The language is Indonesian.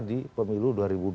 di pemilu dua ribu dua puluh